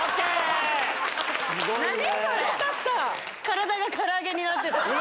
体がから揚げになった女⁉